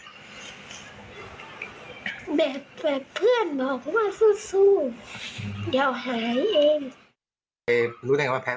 แบบเพื่อนบอกว่าสู้เดี๋ยวหายเอง